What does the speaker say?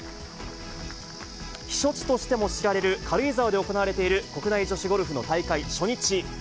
避暑地としても知られる軽井沢で行われている国内女子ゴルフの大会初日。